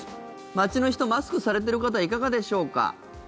街の人、マスクされてる方いかがでしょうか？